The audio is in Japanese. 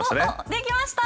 できました！